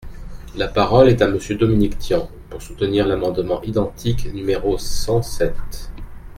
La parole est à Monsieur Dominique Tian, pour soutenir l’amendement identique numéro cent sept.